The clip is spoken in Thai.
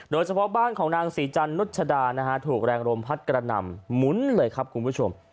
โดยเฉพาะบ้านของนางศรีจันนุชดานะฮะถูกแรงลมพัดกระหน่ำหมุนเลยครับคุณผู้ชม